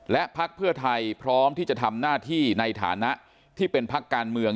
และพักเพื่อไทยพร้อมที่จะทำหน้าที่ในฐานะที่เป็นพักการเมือง